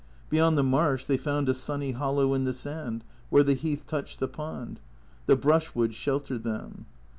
Beyond the marsh they found a sunny hollow in the sand where the heath touched the pond. The brushwood sheltered them.